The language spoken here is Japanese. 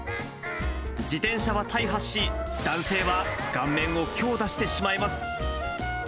自転車は大破し、男性は顔面を強打してしまいます。